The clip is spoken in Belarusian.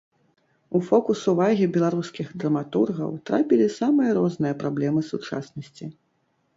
У фокус увагі беларускіх драматургаў трапілі самыя розныя праблемы сучаснасці.